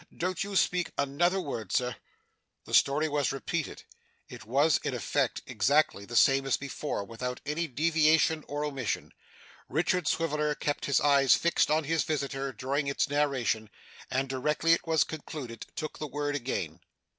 Don't you speak another word, Sir.' The story was repeated; it was, in effect, exactly the same as before, without any deviation or omission. Richard Swiveller kept his eyes fixed on his visitor during its narration, and directly it was concluded, took the word again.